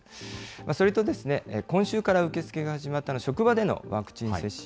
それと、今週から受け付けが始まった、職場でのワクチン接種。